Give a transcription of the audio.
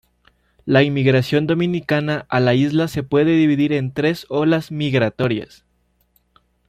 La inmigración dominicana a la isla se puede dividir en tres olas migratorias.